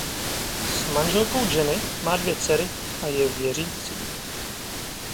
S manželkou Jenny má dvě dcery a je věřící.